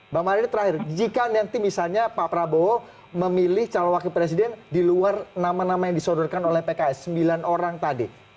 bang mardani terakhir jika nanti misalnya pak prabowo memilih calon wakil presiden di luar nama nama yang disodorkan oleh pks sembilan orang tadi